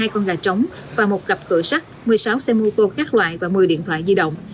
hai con gà trống và một cặp cửa sắt một mươi sáu xe mô tô các loại và một mươi điện thoại di động